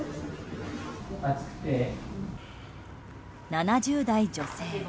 ７０代女性。